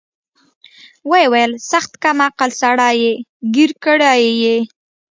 ويې ويل سخت کم عقله سړى يې ګير کړى يې.